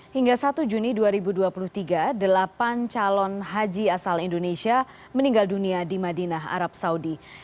hingga satu juni dua ribu dua puluh tiga delapan calon haji asal indonesia meninggal dunia di madinah arab saudi